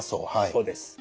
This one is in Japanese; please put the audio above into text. そうです。